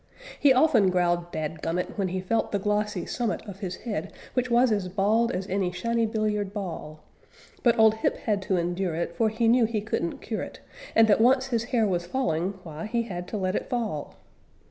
He often growled, "Dad gum it!" when he felt the glossy summit of his head, which was as bald as any shiny billiard ball But old Hip had to endure it, for he knew he couldn't cure it, and that once his hair was falling, why, he had to let it fall.